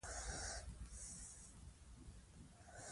موږ باید معنویات هېر نکړو.